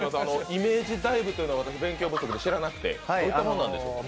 イメージダイブというのは私、勉強不足で知らなくてどういったものなんでしょうか？